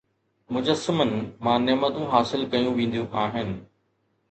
مجسمن مان نعمتون حاصل ڪيون وينديون آهن